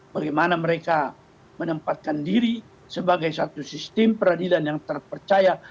bagaimana mereka menempatkan diri sebagai satu sistem peradilan yang terpercaya